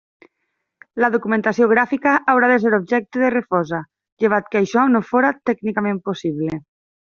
La documentació gràfica haurà de ser objecte de refosa, llevat que això no fóra tècnicament possible.